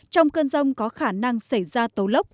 trong cơn rông có khả năng xảy ra tố lốc